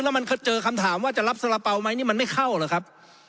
แล้วมันเจอคำถามว่าจะรับสาระเป๋าไหมนี่มันไม่เข้าหรือครับ